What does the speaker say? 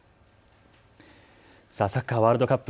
サッカーワールドカップ。